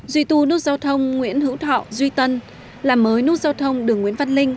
duy tu nút giao thông nguyễn hữu thọ duy tân làm mới nút giao thông đường nguyễn văn linh